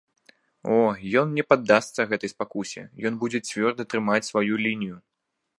О, ён не паддасца гэтай спакусе, ён будзе цвёрда трымаць сваю лінію!